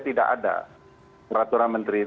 tidak ada peraturan menteri